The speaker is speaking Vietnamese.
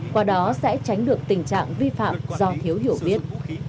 qua đó sẽ tránh được tình trạng vi phạm do thiếu hiểu biết